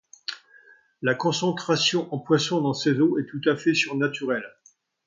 La concentration en poissons dans ses eaux est tout à fait surnaturelle.